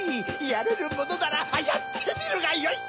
やれるものならやってみるがよい！